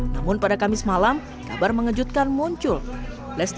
namun pada kamis malam kabar mengejutkan muncul lesti kejora mencabut laporan polisi